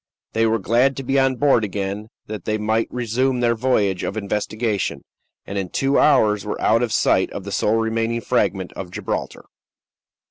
They were glad to be on board again, that they might résumé their voyage of investigation, and in two hours were out of sight of the sole remaining fragment of Gibraltar.